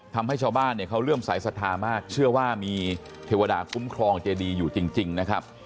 ทำให้ชาวบ้านเนี่ยเขาเริ่มสายศรัทธามากเชื่อว่ามีเทวดาคุ้มครองเจดีอยู่จริงนะครับ